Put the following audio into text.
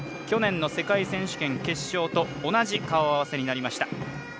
去年の世界選手権、決勝と同じ顔合わせになりました。